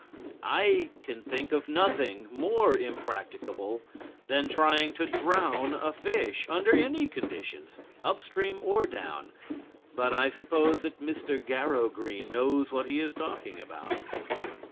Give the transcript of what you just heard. I can think of nothing more impracticable than trying to drown a fish under any conditions, upstream or down, but I suppose that Mr. Garrow Green knows what he is talking about.